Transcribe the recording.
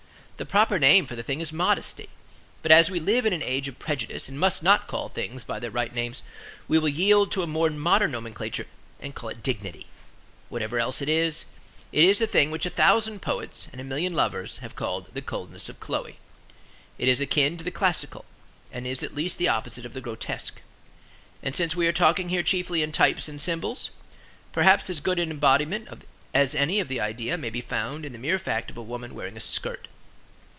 The proper name for the thing is modesty; but as we live in an age of prejudice and must not call things by their right names, we will yield to a more modern nomenclature and call it dignity. Whatever else it is, it is the thing which a thousand poets and a million lovers have called the coldness of Chloe. It is akin to the classical, and is at least the opposite of the grotesque. And since we are talking here chiefly in types and symbols, perhaps as good an embodiment as any of the idea may be found in the mere fact of a woman wearing a skirt.